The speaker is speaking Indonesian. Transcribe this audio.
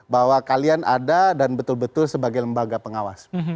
bahwa kalian ada dan betul betul sebagai lembaga pengawas